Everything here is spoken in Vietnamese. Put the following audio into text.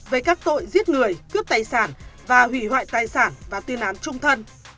về các tội giết người cướp tài sản và hủy hoại tài sản và tiên án chung thân